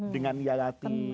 dengan ya latif